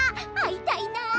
あいたいな。